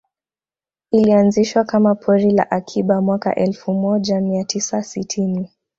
Ilianzishwa kama pori la akiba mwaka elfu moja mia tisa sitini